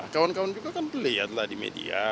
kawan kawan juga kan terlihat lah di media